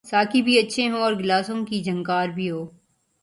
ساقی بھی اچھے ہوں اور گلاسوں کی جھنکار بھی ہو۔